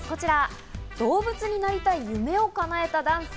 こちら、動物になりたい夢をかなえた男性。